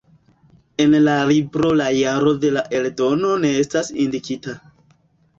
En la libro la jaro de la eldono ne estas indikita.